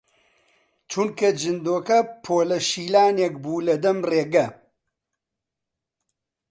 چونکە جندۆکە پۆلە شیلانێک بوو لە دەم ڕێگە